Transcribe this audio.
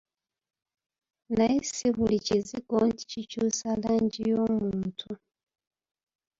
Naye si buli kizigo nti kikyusa langi y'omuntu.